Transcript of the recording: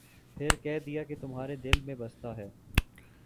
پھر کہہ دیا کہ تمھارے دل میں بستا ہے ۔